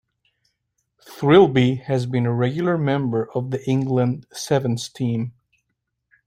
Thirlby has been a regular member of the England Sevens team.